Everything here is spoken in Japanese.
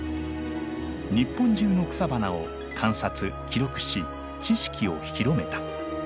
日本中の草花を観察記録し知識を広めた。